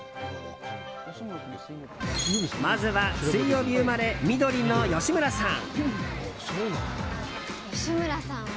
まずは水曜日生まれ、緑の吉村さん。